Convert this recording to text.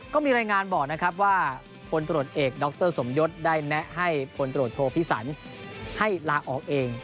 ก็มีรายงานบอกนะครับว่าพลตรวจเอกดรสมยศได้แนะให้พลตรวจโทพิสันให้ลาออกเอง